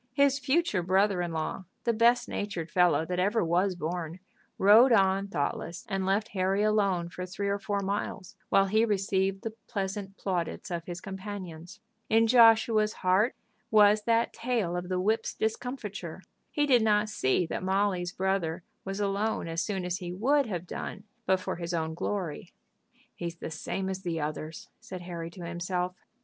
His future brother in law, the best natured fellow that ever was born, rode on thoughtless, and left Harry alone for three or four miles, while he received the pleasant plaudits of his companions. In Joshua's heart was that tale of the whip's discomfiture. He did not see that Molly's brother was alone as soon as he would have done but for his own glory. "He is the same as the others," said Harry to himself.